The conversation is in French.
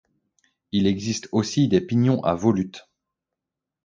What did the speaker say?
Il existe aussi des pignons à volutes.